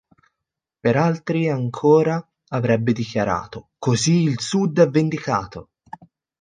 Per altri ancora avrebbe dichiarato: "così il Sud è vendicato!